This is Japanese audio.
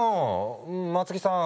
松木さん